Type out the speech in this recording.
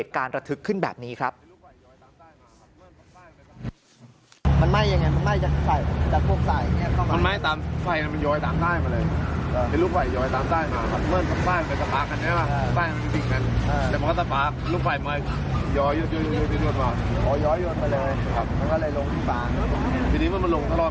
ทีนี้มันลงทดลองคันเลยผมจะไว้